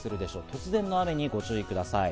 突然の雨にご注意ください。